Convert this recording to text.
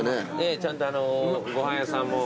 ええちゃんとご飯屋さんも。